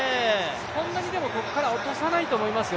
そんなにここから落とさないと思いますよ。